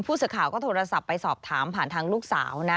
ผู้สื่อข่าวก็โทรศัพท์ไปสอบถามผ่านทางลูกสาวนะ